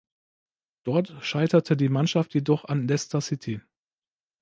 Dort scheiterte die Mannschaft jedoch an Leicester City.